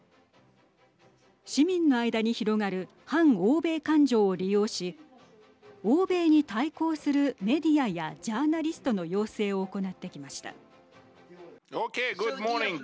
市民の間に広がる反欧米感情を利用し欧米に対抗するメディアやジャーナリストの養成を行ってきました。